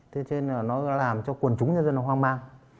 thế cho nên là nó làm cho quần chúng nhân dân nó hoang mang